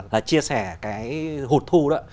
là chia sẻ cái hụt thu đó